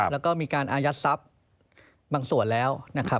แล้วก็มีการอายัดทรัพย์บางส่วนแล้วนะครับ